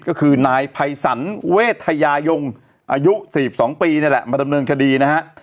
ก็คือนายภัยสรรเวทยายงอายุ๔๒ปีนี่แหละมาดำเนินคดีนะฮะ